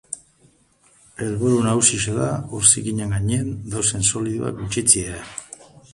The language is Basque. Helburu nagusia da ur zikinen gainean dauden solidoak gutxitzea.